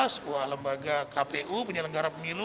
sebuah lembaga kpu penyelenggara pemilu